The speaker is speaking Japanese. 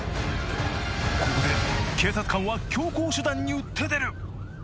ここで警察官は強硬手段に打って出る！